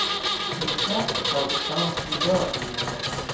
امشب پادشاه بیدار می ماند.